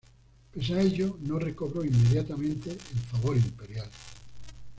Pese a ello, no recobró inmediatamente el favor imperial.